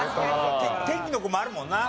『天気の子』もあるもんな。